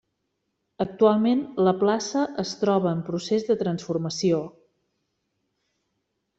Actualment la plaça es troba en procés de transformació.